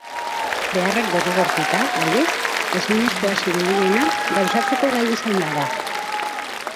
Beharrak derrigortuta, aldiz, ezinezkoa zirudiena gauzatzeko gai izan gara.